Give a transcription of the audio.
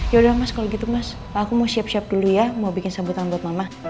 yaudah mas kalau gitu mas aku mau siap siap dulu ya mau bikin sambutan buat mama